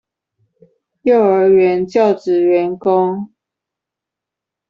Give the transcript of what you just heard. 幼兒園教職員工